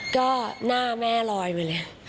ก็หน้าแม่ลอยมาเลย